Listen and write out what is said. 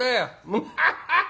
ムハハハ！